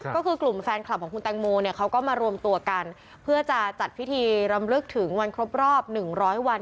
ก็คือกลุ่มแฟนคลับของคุณแตงโมเนี่ยเขาก็มารวมตัวกันเพื่อจะจัดพิธีรำลึกถึงวันครบรอบหนึ่งร้อยวัน